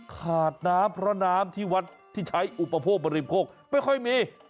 ขาดน้ำเพราะน้ำที่วัดที่ใช้อุปโภคบริโภคไม่ค่อยมี